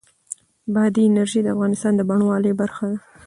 بادي انرژي د افغانستان د بڼوالۍ برخه ده.